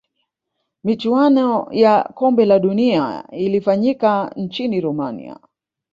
michuano ya kombe la dunia ya ilifanyika nchini romania